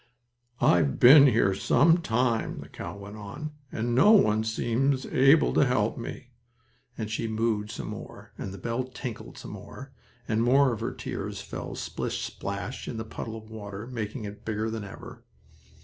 "I've been here some time," the cow went on, "and no one seems able to help me," and she mooed some more, and the bell tinkled some more, and more of her tears fell splish splash in the puddle of water, making it bigger than ever.